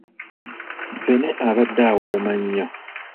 Ffene abadde awooma nnyo.